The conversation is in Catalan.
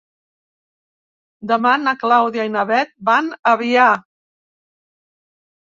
Demà na Clàudia i na Bet van a Avià.